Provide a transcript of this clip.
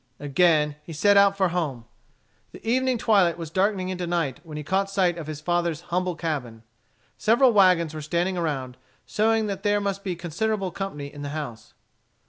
Again he set out for home. The evening twilight was darkening into night when he caught sight of his father's humble cabin. Several wagons were standing around, showing that there must be considerable company in the house.